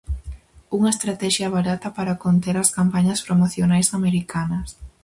Unha estratexia barata para conter as campañas promocionais americanas.